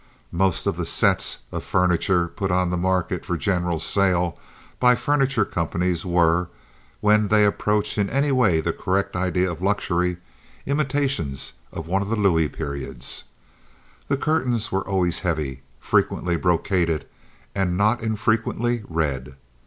Most of the "sets" of furniture put on the market for general sale by the furniture companies were, when they approached in any way the correct idea of luxury, imitations of one of the Louis periods. The curtains were always heavy, frequently brocaded, and not infrequently red.